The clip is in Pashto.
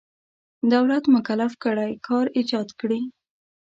دولت مکلف کړی کار ایجاد کړي.